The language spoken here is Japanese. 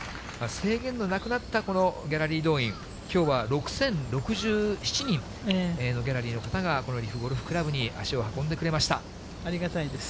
制限のなくなったこのギャラリー動員、きょうは６０６７人のギャラリーの方が、この利府ゴルフ倶楽部に足を運んでくれました。